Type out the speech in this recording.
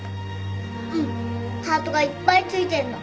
うんハートがいっぱい付いてるの。